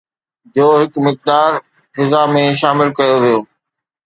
جو هڪ وڏو مقدار فضا ۾ شامل ڪيو ويو آهي